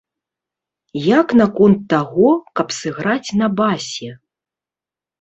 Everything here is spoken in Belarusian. Як наконт таго, каб сыграць на басе?